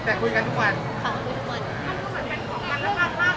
พงศ์ผู้ส่วนเป็นของมันมักมากนะครับ